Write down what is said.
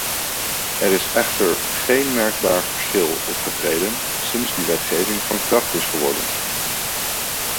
Er is echter geen merkbaar verschil opgetreden sinds die wetgeving van kracht is geworden.